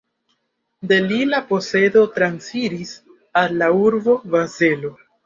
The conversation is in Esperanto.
De li la posedo transiris al la urbo Bazelo.